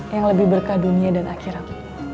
yang lebih berkah dunia dan akhirat